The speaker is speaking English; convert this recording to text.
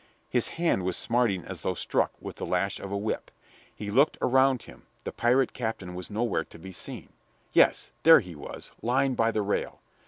His hand was smarting as though struck with the lash of a whip. He looked around him; the pirate captain was nowhere to be seen yes, there he was, lying by the rail.